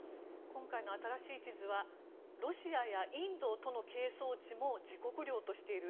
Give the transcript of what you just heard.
今回の新しい地図はロシアやインドとの係争地も自国領としている。